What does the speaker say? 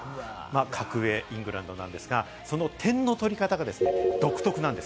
格上のイングランドなんですが、その点の取り方が独特なんです。